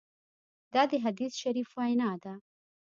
دا د حدیث شریف وینا ده.